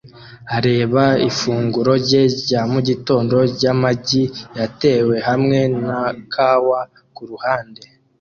areba ifunguro rye rya mugitondo ryamagi yatewe hamwe na kawa kuruhande